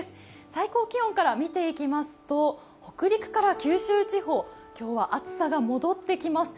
最高気温から見ていきますと北陸から九州地方、今日は暑さが戻ってきます。